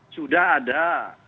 sudah ada keputusan